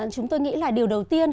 chúng tôi nghĩ là điều đầu tiên